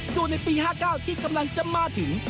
ส่วนในปี๕๙ที่กำลังจะมาถึง